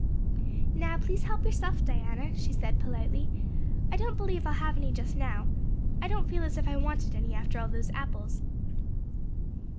"Now, please help yourself, Diana," she said politely. "I don't believe I'll have any just now. I don't feel as if I wanted any after all those apples."